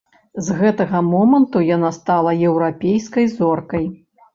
З гэтага моманту яна стала еўрапейскай зоркай.